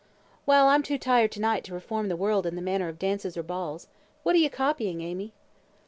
"Well, I'm too tired to night to reform the world in the matter of dances or balls. What are you copying, Amy?"